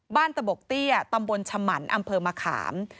ตะบกเตี้ยตำบลฉมันอำเภอมะขาม